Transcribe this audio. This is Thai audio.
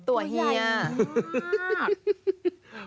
ตัวใหญ่มาก